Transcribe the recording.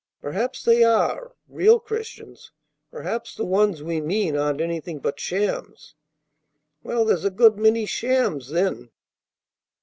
"Perhaps they are, real Christians. Perhaps the ones we mean aren't anything but shams." "Well, there's a good many shams, then."